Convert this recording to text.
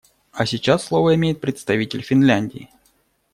А сейчас слово имеет представитель Финляндии.